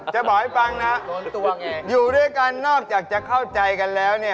จะบอกให้ฟังนะอยู่ด้วยกันนอกจากจะเข้าใจกันแล้วเนี่ย